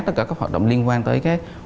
tất cả các hoạt động liên quan tới